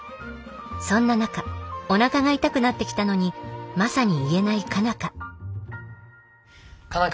そんな中おなかが痛くなってきたのにマサに言えない佳奈花佳奈